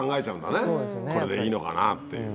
これでいいのかなっていう。